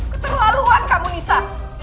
keterlaluan kamu nisa